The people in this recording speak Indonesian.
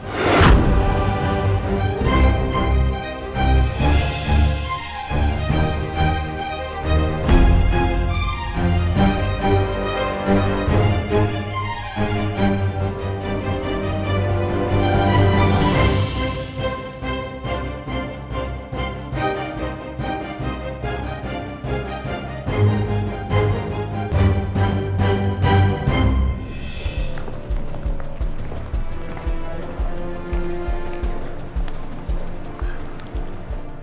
terminulah artist grandpapa terbenang